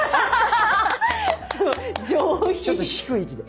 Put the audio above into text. ちょっと低い位置で。